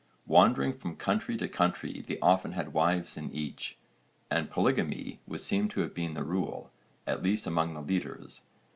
Wandering from country to country they often had wives in each, and polygamy would seem to have been the rule, at least among the leaders.